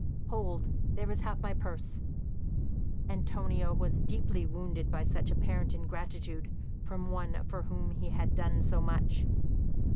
Hold! there is half my purse." Antonio was deeply wounded by such apparent ingratitude from one for whom he had done so much.